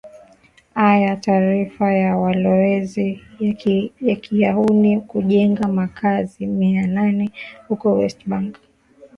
a ya taarifa ya walowezi wakiyahundi kujenga makazi mia nane huko west bank